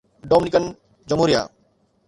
Dominican جمهوريه